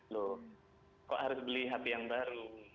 loh kok harus beli hp yang baru